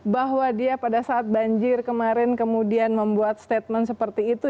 bahwa dia pada saat banjir kemarin kemudian membuat statement seperti itu